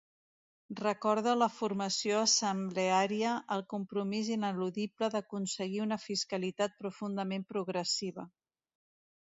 Recorda la formació assembleària el compromís ineludible d’aconseguir una fiscalitat profundament progressiva.